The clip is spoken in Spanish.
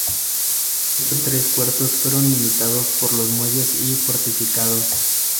Estos tres puertos fueron limitados por los muelles y fortificados.